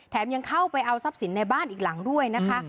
ยังเข้าไปเอาทรัพย์สินในบ้านอีกหลังด้วยนะคะ